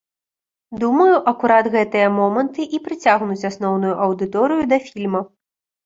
Думаю, акурат гэтыя моманты і прыцягнуць асноўную аўдыторыю да фільма.